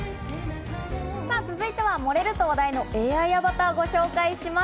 続いては盛れると話題のＡＩアバターをご紹介します。